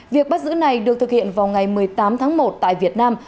việc bắt giữ này được thực hiện vào ngày một mươi tám tháng một tại việt nam